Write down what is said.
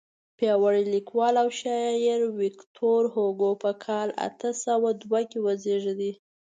پیاوړی لیکوال او شاعر ویکتور هوګو په کال اته سوه دوه کې وزیږېد.